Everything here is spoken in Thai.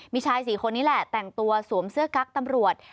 มีชาย๔คนนี้แหละแต่งตัวสวมเสื้อกั๊กตำรวจ